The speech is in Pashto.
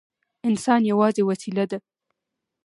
انسان یوازې وسیله ده.